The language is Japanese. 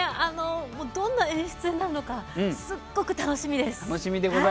どんな演出なのかすっごく楽しみです。